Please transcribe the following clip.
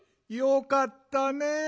よかったね